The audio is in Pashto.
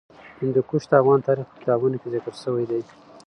هندوکش د افغان تاریخ په کتابونو کې ذکر شوی دي.